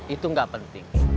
itu gak penting